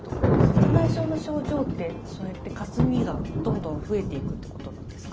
白内障の症状ってそうやってかすみが、どんどん増えていくってことなんですか？